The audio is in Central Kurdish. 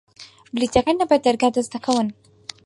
بلیتەکان لە بەردەرگا دەست دەکەون.